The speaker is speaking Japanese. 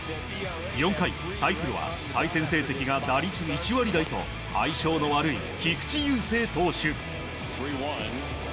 ４回、対するは対戦成績が打率１割台と相性の悪い菊池雄星投手。